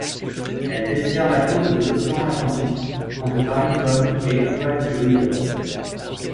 Elle dessert la côte de l'océan Atlantique, entre Barrington et Clyde River.